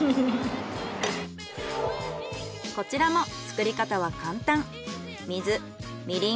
こちらも作り方は簡単。